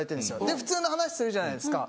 で普通の話するじゃないですか。